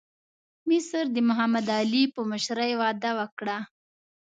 مصر د محمد علي په مشرۍ وده وکړه.